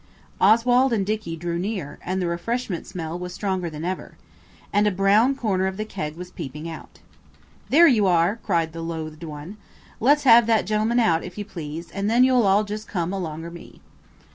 Oswald and Dicky drew near, and the refreshment smell was stronger than ever. And a brown corner of the keg was peeping out. "There you are!" cried the Loathed One. "Let's have that gentleman out, if you please, and then you'll all just come alonger me."